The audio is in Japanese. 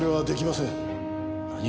何？